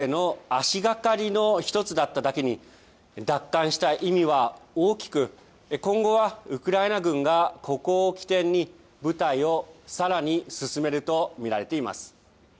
リマンはロシア軍の東部での足がかりの１つだっただけに、奪還した意味は大きく、今後はウクライナ軍がここを起点に、部隊をさらに進めると見られています。